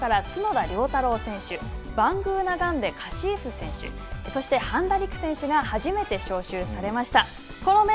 Ｊリーグから角田涼太朗選手、バングーナガンデ佳史扶選手、そして半田陸選手が初めて召集されました。